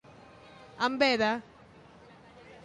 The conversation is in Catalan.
En bé de.